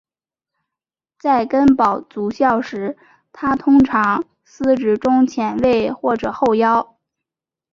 在根宝足校时他通常司职中前卫或者后腰。